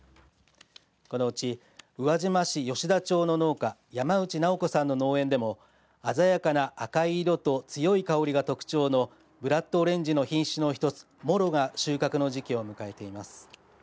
このうち宇和島市吉田町の農家山内直子さんの農園でも鮮やかな赤色と強い香りが特徴のブラッドオレンジの品種の１つモロが収穫の時期を迎えています。